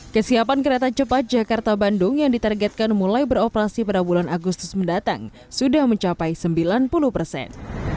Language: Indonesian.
kesiapan kereta cepat jakarta bandung yang ditargetkan mulai beroperasi pada bulan agustus mendatang sudah mencapai sembilan puluh persen